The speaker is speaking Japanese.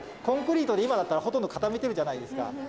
コンクリートで今だったらほとんど固めてるじゃないですか。